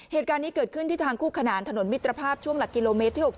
เหตุการณ์นี้เกิดขึ้นที่ทางคู่ขนานถนนมิตรภาพช่วงหลักกิโลเมตรที่๖๗